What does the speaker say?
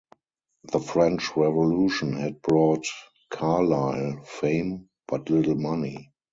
"The French Revolution" had brought Carlyle fame, but little money.